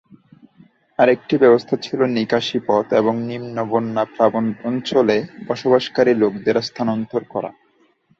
আর একটি ব্যবস্থা ছিল নিকাশী পথ এবং নিম্ন-বন্যা প্লাবন অঞ্চলে বসবাসকারী লোকদের স্থানান্তর করা।